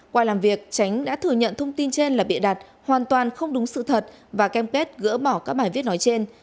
qua làm việc tránh đã thừa nhận thông tin trên là bịa đặt hoàn toàn không đúng sự thật và cam kết gỡ bỏ các bài viết nói trên